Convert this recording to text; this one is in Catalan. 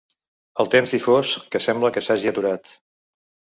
El temps difós, que sembla que s’hagi aturat.